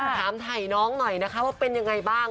ถามถ่ายน้องหน่อยนะคะว่าเป็นยังไงบ้าง